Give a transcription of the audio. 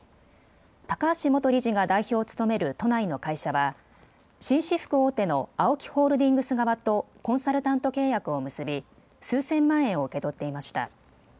高橋元理事が代表を務める都内の会社は紳士服大手のＡＯＫＩホールディングス側とコンサルタント契約を結び数千万円を受け取っていました。